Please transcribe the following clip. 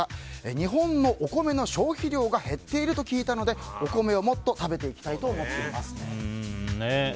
日本のお米の消費量が減っていると聞いたのでお米をもっと食べていきたいと思っています。